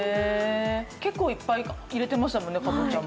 結構いっぱい入れてましたもんね、かぼちゃも。